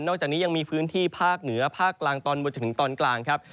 อกจากนี้ยังมีพื้นที่ภาคเหนือภาคกลางตอนบนจนถึงตอนกลางครับ